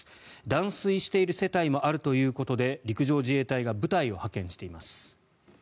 断水している世帯もあるということで陸上自衛隊が部隊を派遣しています。